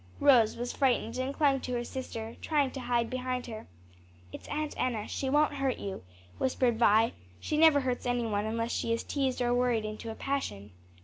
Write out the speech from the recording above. Rose was frightened and clung to her sister, trying to hide behind her. "It's Aunt Enna; she won't hurt you," whispered Vi; "she never hurts any one unless she is teased or worried into a passion."